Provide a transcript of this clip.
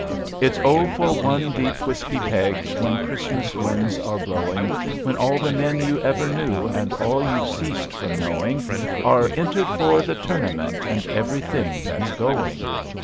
It's Oh for one deep whisky peg When Christmas winds are blowing, When all the men you ever knew, And all you've ceased from knowing. Are *^ entered for the Tournament, And everything that's going."